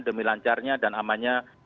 demi lancarnya dan amannya